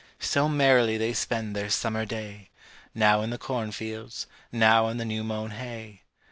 So merrily they spend their summer day, Now in the cornfields, now the new mown hay.